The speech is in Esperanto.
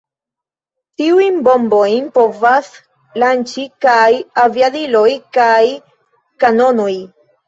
Tiujn bombojn povas lanĉi kaj aviadiloj kaj kanonoj.